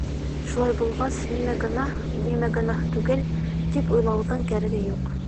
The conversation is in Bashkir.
Шулай булғас, нимә гонаһ, нимә гонаһ түгел, тип уйлауҙың кәрәге юҡ.